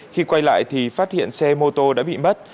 khi quay lại thì phát hiện xe mô tô đã bị mất